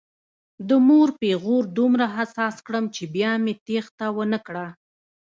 د مور پیغور دومره حساس کړم چې بیا مې تېښته ونه کړه.